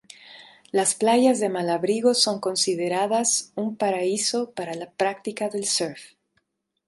Las playas de Malabrigo son considerada un paraíso para la práctica del surf.